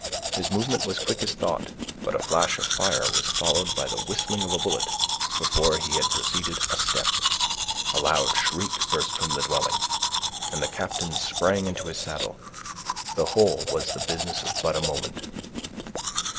His movement was quick as thought, but a flash of fire was followed by the whistling of a bullet, before he had proceeded a step. A loud shriek burst from the dwelling, and the captain sprang into his saddle; the whole was the business of but a moment.